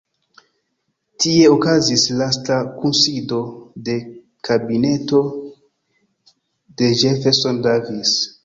Tie okazis lasta kunsido de kabineto de Jefferson Davis.